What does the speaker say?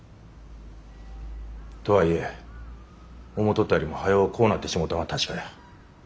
とはいえ思とったよりも早うこうなってしもたんは確かや。